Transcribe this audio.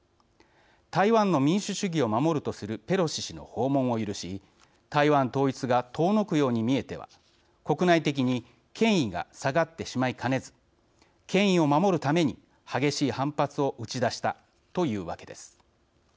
台湾の民主主義を守るとするペロシ氏の訪問を許し台湾統一が遠のくように見えては国内的に権威が下がってしまいかねず権威を守るために激しい反発を打ち出したというわけです。